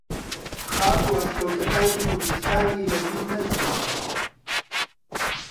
خاک و ئەشکەوتەکانی کوردستانی لە بیر نەچووە